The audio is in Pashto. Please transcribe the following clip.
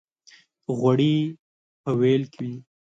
غوړي په وېل کې دي.